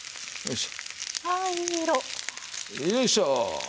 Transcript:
よいしょ！